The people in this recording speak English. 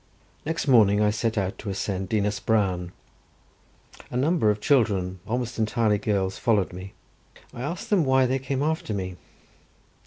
Next morning I set out to ascend Dinas Bran; a number of children, almost entirely girls, followed me. I asked them why they came after me.